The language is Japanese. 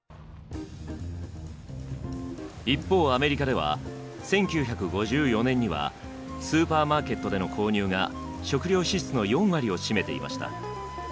一方アメリカでは１９５４年にはスーパーマーケットでの購入が食料支出の４割を占めていました。